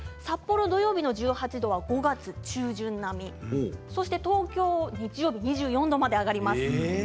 札幌、土曜日の１８度は５月中旬並みそして東京は日曜日２４度まで上がります。